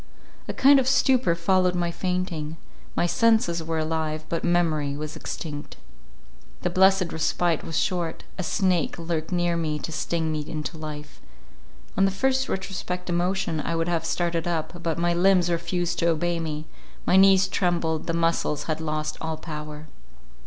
A kind of stupor followed my fainting; my senses were alive, but memory was extinct. The blessed respite was short—a snake lurked near me to sting me into life—on the first retrospective emotion I would have started up, but my limbs refused to obey me; my knees trembled, the muscles had lost all power.